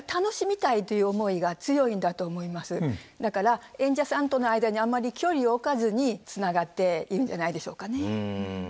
だから演者さんとの間にあんまり距離を置かずにつながっているんじゃないでしょうかね。